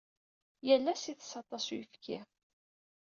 Yal ass, ittess aṭas n uyefki.